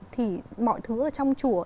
thì mọi thứ ở trong chùa